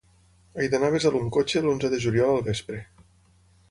He d'anar a Besalú amb cotxe l'onze de juliol al vespre.